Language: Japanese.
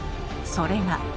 それが。